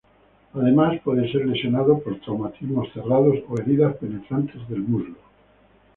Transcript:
Además, puede ser lesionado por traumatismos cerrados o heridas penetrantes del muslo.